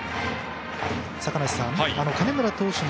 坂梨さん、金村投手の